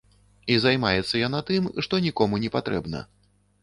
І займаецца яна тым, што нікому не патрэбна.